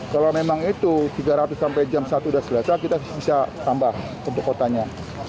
kalau memang itu tiga ratus sampai jam satu sudah selesai kita bisa tambah untuk kotanya